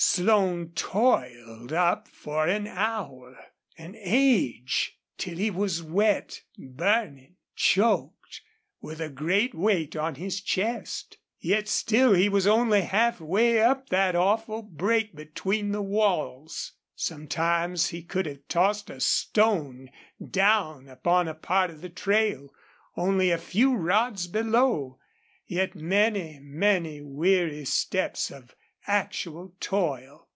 Slone toiled up for an hour an age till he was wet, burning, choked, with a great weight on his chest. Yet still he was only half way up that awful break between the walls. Sometimes he could have tossed a stone down upon a part of the trail, only a few rods below, yet many, many weary steps of actual toil.